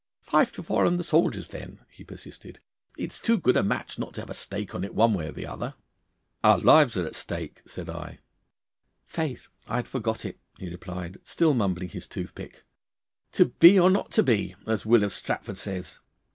'Five to four on the soldiers, then!' he persisted. 'It is too good a match not to have a stake on it one way or the other.' 'Our lives are the stake,' said I. 'Faith, I had forgot it!' he replied, still mumbling his toothpick. '"To be or not to be?" as Will of Stratford says.